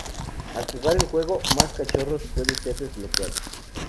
Al jugar el juego, más cachorros puede ser desbloqueados.